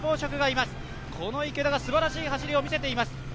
この池田がすばらしい走りを見せています。